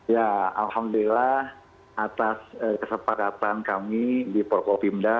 ya alhamdulillah atas kesepakatan kami di prokopimda